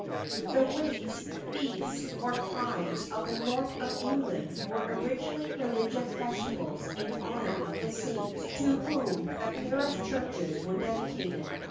[THE wakes, feasts, or tides of the North of England, were originally religious festivals in honour of the saints to whom the parish churches were dedicated.